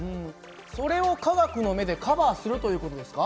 それを科学の目でカバーするという事ですか？